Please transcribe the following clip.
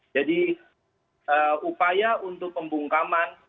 jadi upaya untuk pembungkaman